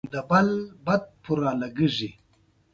ابن خلدون د خپلې نظریې په اړه څه فکر لري؟